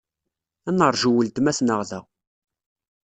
Ad neṛju weltma-tneɣ da.